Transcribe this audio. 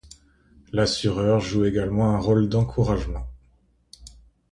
L'assureur joue également un rôle d'encouragement.